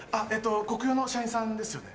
コクヨの社員さんですよね？